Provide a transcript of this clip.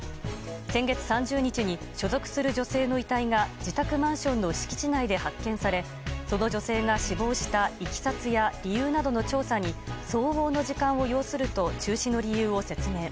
先月３０日に所属する女性の遺体が自宅マンションの敷地内で発見されその女性が死亡したいきさつや理由などの調査に相応の時間を要すると中止の理由を説明。